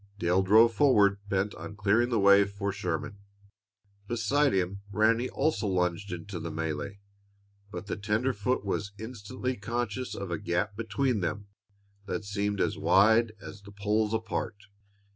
Dale drove forward, bent on clearing the way for Sherman. Beside him Ranny also lunged into the mêlée, but the tenderfoot was instantly conscious of a gap between them that seemed as wide as the poles apart.